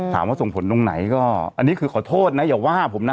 ส่งผลตรงไหนก็อันนี้คือขอโทษนะอย่าว่าผมนะ